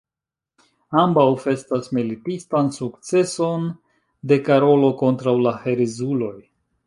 Ambaŭ festas militistan sukceson de Karolo kontraŭ la "herezuloj".